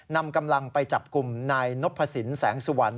นำกำลังไปจับกลุ่มนายนพสินแสงสุวรรณ